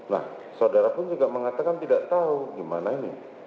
nah saudara pun juga mengatakan tidak tahu gimana ini